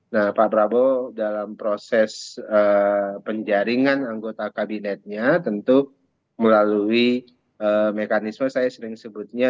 nah pak prabowo dalam proses penjaringan anggota kabinetnya tentu melalui mekanisme saya sering sebutnya